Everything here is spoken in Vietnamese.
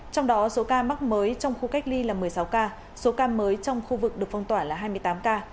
trong đó số ca mắc mới trong khu cách ly là một mươi sáu ca số ca mới trong khu vực được phong tỏa là hai mươi tám ca